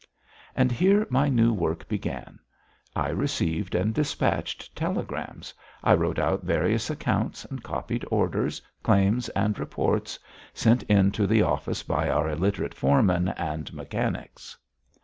And here my new work began. I received and despatched telegrams, I wrote out various accounts and copied orders, claims, and reports, sent in to the office by our illiterate foremen and mechanics.